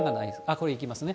これいきますね。